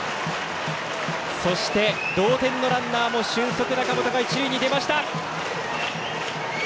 そして、同点のランナーも俊足、中本が一塁に出ました。